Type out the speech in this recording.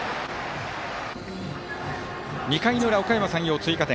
２回の裏、おかやま山陽、追加点。